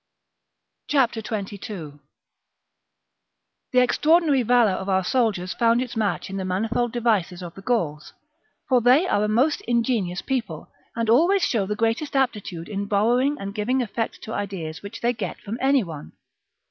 ^ 22. The extraordinary valour of our soldiers found its match in the manifold devices of the Gauls ; for they are a most ingenious people, and always show the greatest aptitude in borrowing and giving effect to ideas which they get from any one.